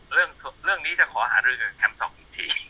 เรื่องนี้จะขอหารื่องอื่นอ่ะแคมซ์ซอกอีกที